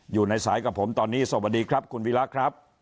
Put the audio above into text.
อยู่ในสายกับผมตอนนี้สวัสดีครับคุณวิระครับ